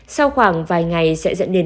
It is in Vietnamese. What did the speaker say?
sau khoảng vài ngày sẽ dẫn đến